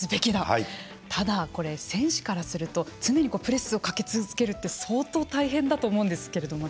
ただ選手からすると常にプレスをかけ続けるって相当大変だと思うんですけれども。